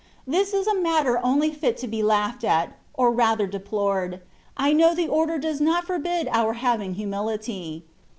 This is a matter only fit to be htoghed at^ or rather deplored : I know the order does not forbid our having humility.